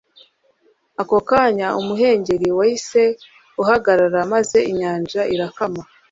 Ako kanya umuhengeri wahise uhagarara maze inyanja irakama